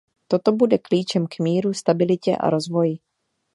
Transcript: Toto bude klíčem k míru, stabilitě a rozvoji.